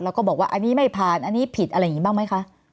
แล้วก็บอกว่าอันนี้ไม่ผ่านอันนี้ผิดอะไรอย่างนี้บ้างไหมคะ